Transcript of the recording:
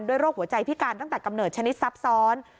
โรคหัวใจพิการตั้งแต่กำเนิดชนิดซับซ้อน